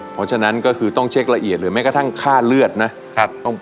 เพราะฉะนั้นก็คือต้องเช็กละเอียดเลยไม่กระทั่งค่าเลือดนะ